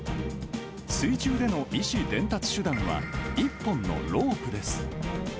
水中での意思伝達手段は、１本のロープです。